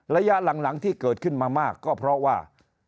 ระยะหลังที่เกิดขึ้นมามากก็เพราะว่า